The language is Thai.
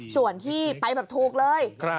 ส่วนที่ไปแบบถูกเลย